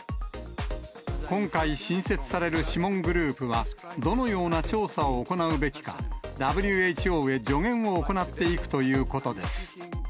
今回、新設される諮問グループは、どのような調査を行うべきか、ＷＨＯへ助言を行っていくということです。